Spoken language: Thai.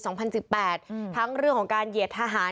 สองพันยี่สิบแปดหรือทั้งเรื่องของการเหยียดทหาร